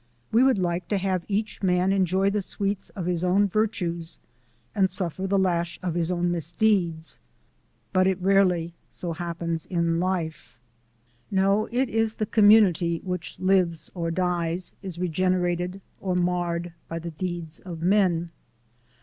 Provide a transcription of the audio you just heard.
We would like to have each man enjoy the sweets of his own virtues and suffer the lash of his own misdeeds but it rarely so happens in life. No, it is the community which lives or dies, is regenerated or marred by the deeds of men.